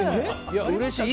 うれしい。